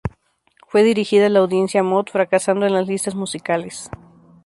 Fue dirigida a la audiencia mod, fracasando en las listas musicales.